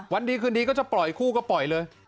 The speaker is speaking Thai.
วันดีคืนดีก็จะปล่อยคู่ก็ปล่อยเลย